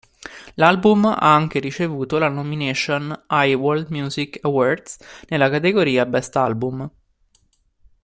L'album ha anche ricevuto la nomination ai World Music Awards nella categoria: "Best Album".